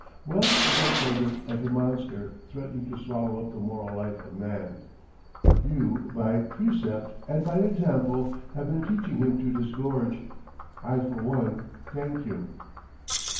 Wealth is at present like a monster threatening to swallow up the moral life of man; you by precept and by example have been teaching him to disgorge. I for one thank you.